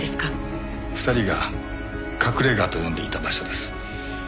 ２人が隠れ家と呼んでいた場所です。